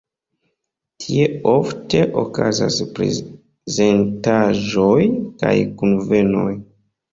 Tie ofte okazas prezentaĵoj kaj kunvenoj.